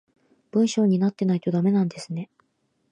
文章になってないとダメなんですね